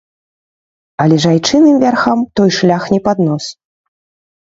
Але ж айчынным вярхам той шлях не пад нос.